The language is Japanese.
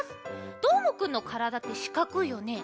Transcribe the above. どーもくんのからだってしかくいよね。